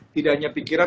tidak hanya pikiran